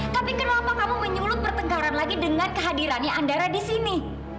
tapi kenapa kamu menyulut pertengkaran lagi dengan kehadirannya andara di sini